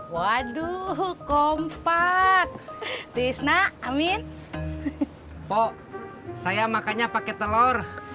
waduh kompak tisna amin pokok saya makanya pakai telur